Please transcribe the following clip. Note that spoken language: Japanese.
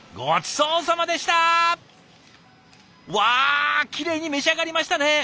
わあきれいに召し上がりましたね。